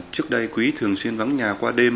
trước đây quý thường xuyên vắng nhà qua đêm